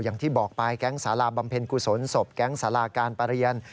อย่างที่บอกไปแก๊งสาราบำเพ็ญกุศลศพแก๊งสาราการประเรียน